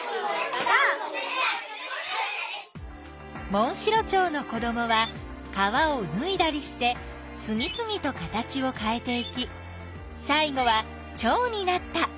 モンシロチョウの子どもはかわをぬいだりしてつぎつぎと形をかえていきさい後はチョウになった。